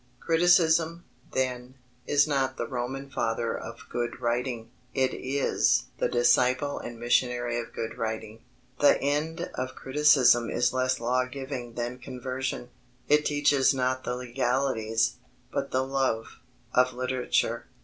Criticism, then, is not the Roman father of good writing: it is the disciple and missionary of good writing. The end of criticism is less law giving than conversion. It teaches not the legalities, but the love, of literature.